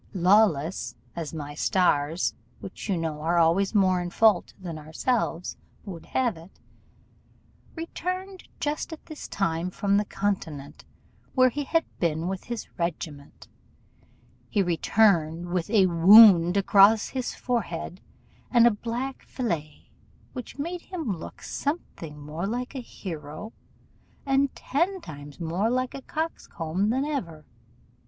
Lawless, as my stars (which you know are always more in fault than ourselves) would have it, returned just at this time from the continent, where he had been with his regiment; he returned with a wound across his forehead and a black fillet, which made him look something more like a hero, and ten times more like a coxcomb, than ever.